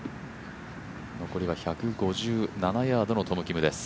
残りは１５７ヤードのトム・キムです。